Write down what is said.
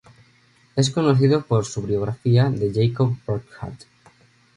Es mejor conocido por su biografía de Jacob Burckhardt.